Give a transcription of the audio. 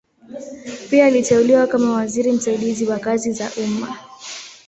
Pia aliteuliwa kama waziri msaidizi wa kazi za umma.